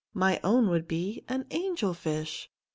My own would be an angel fish.